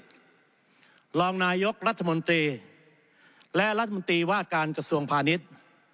รองนายกรัฐมนตรีและรัฐมนตรีว่าการกระทรวงพาณิชย์